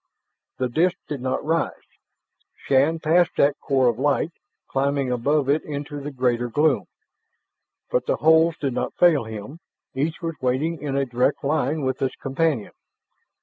The disk did not rise. Shann passed that core of light, climbing above it into the greater gloom. But the holes did not fail him; each was waiting in a direct line with its companion.